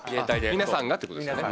皆さんがってことですよね？